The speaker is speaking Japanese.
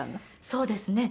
そうですね。